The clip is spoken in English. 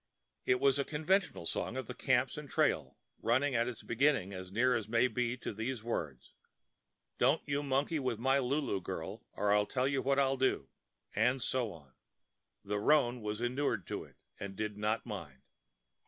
It was a conventional song of the camps and trail, running at its beginning as near as may be to these words: Don't you monkey with my Lulu girl Or I'll tell you what I'll do— and so on. The roan was inured to it, and did not mind.